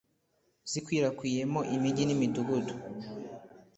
zikwirakwiyemo imijyi n’imidugudu